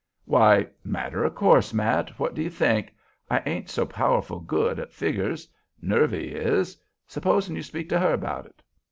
"Why, matter o' course, Matt; what you think? I ain't so powerful good at figgers. Nervy is. S'posen you speak to her 'bout it."